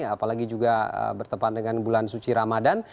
apalagi juga bertepatan dengan bulan suci ramadan